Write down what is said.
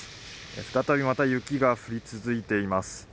再びまた雪が降り続いています。